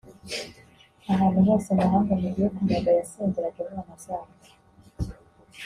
ahantu hose amahanga mugiye kunyaga yasengeraga imana zabo,